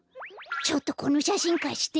ちょっとこのしゃしんかして？